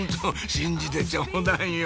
信じてちょうだいよ！